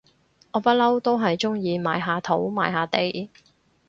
我不嬲都係中意買下土買下地